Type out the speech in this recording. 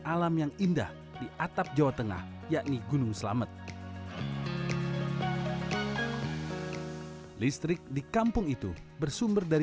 alam yang indah di atap jawa tengah yakni gunung selamet listrik di kampung itu bersumber dari